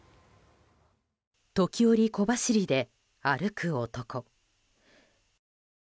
時折、小走りで歩く男。